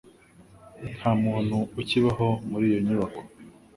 Nta muntu ukibaho muri iyo nyubako.